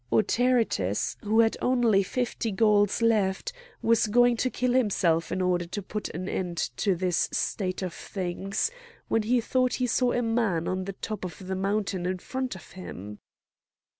Autaritus, who had only fifty Gauls left, was going to kill himself in order to put an end to this state of things, when he thought he saw a man on the top of the mountain in front of him.